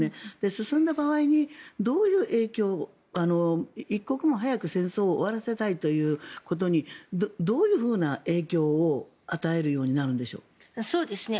進んだ場合にどういう影響一刻も早く戦争を終わらせたいということにどういうふうな影響を与えるようになるんでしょうか。